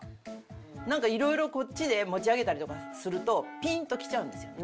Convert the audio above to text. なんか色々こっちで持ち上げたりとかするとピンときちゃうんですよね。